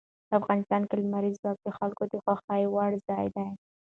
افغانستان کې لمریز ځواک د خلکو د خوښې وړ ځای دی.